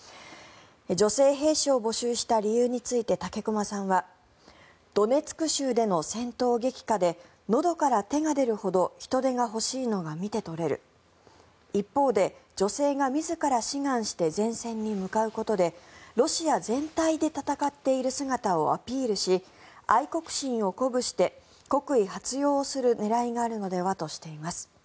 女性兵士を募集した理由について武隈さんはドネツク州での戦闘激化でのどから手が出るほど人手が欲しいのが見て取れる一方で女性が自ら志願して前線に向かうことでロシア全体で戦っている姿をアピールし愛国心を鼓舞して国威発揚する狙いがあるのではとしています。